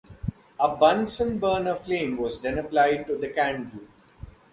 A Bunsen burner flame was then applied to the 'candle'.